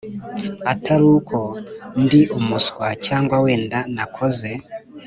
ataruko ndi umuswa cyangwa wenda nakoze